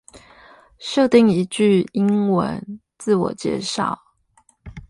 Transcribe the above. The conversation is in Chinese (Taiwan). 設定一句英文自我介紹